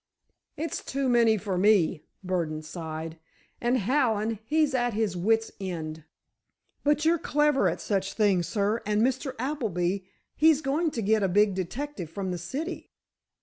"It's too many for me," Burdon sighed. "And Hallen, he's at his wit's end. But you're clever at such things, sir, and Mr. Appleby, he's going to get a big detective from the city."